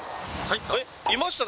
「いました？」